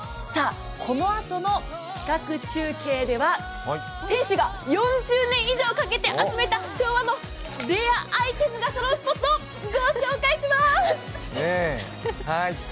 このあとの企画中継では店主が４０年以上かけて集めた昭和のレアアイテムがそろうスポットをご紹介します。